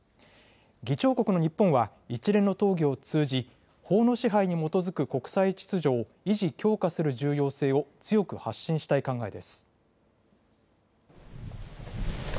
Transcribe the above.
議長国の日本は一連の討議を通じ、法の支配に基づく国際秩序を維持強化する重要性を強く発信したい考えです。